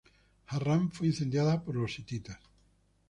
Harrán fue incendiada por los hititas.